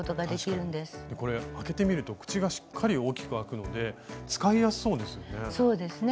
これ開けてみると口がしっかり大きく開くので使いやすそうですよね。